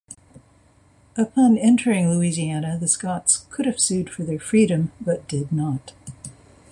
Upon entering Louisiana, the Scotts could have sued for their freedom, but did not.